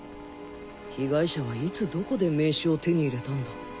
被害者はいつどこで名刺を手に入れたんだ？